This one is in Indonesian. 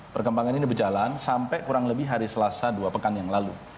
perkembangan ini berjalan sampai kurang lebih hari selasa dua pekan yang lalu